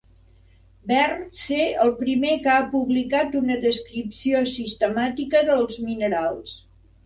Ver ser el primer que ha publicat una descripció sistemàtica dels minerals.